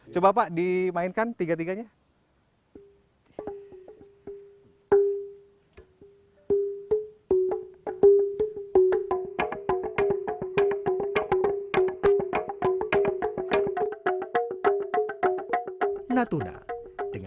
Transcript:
coba pak dimainkan tiga tiganya